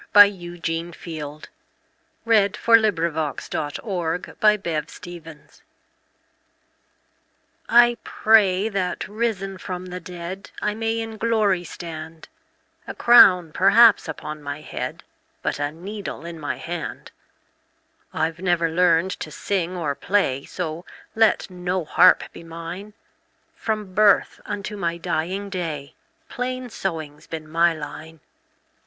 1912. Eugene Field 1850–1895 Eugene Field 230 Grandma's Prayer I PRAY that, risen from the dead,I may in glory stand—A crown, perhaps, upon my head, But a needle in my hand.I 've never learned to sing or play, So let no harp be mine; From birth unto my dying day, Plain sewing 's been my line.